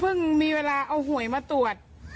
มีเวลาเอาหวยมาตรวจ